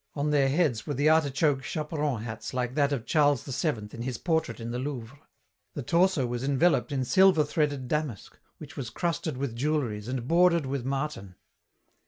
On their heads were the artichoke chaperon hats like that of Charles VII in his portrait in the Louvre. The torso was enveloped in silver threaded damask, which was crusted with jewelleries and bordered with marten.